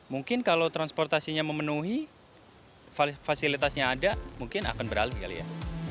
mungkin kalau transportasinya memenuhi fasilitasnya ada mungkin akan beralih kali ya